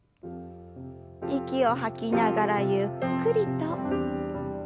息を吐きながらゆっくりと。